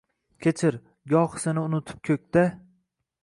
Kechir, gohi seni unutib ko‘kda